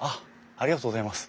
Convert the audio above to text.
ありがとうございます。